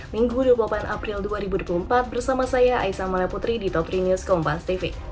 minggu dua puluh empat april dua ribu dua puluh empat bersama saya aisah malaputri di top tiga news kompastv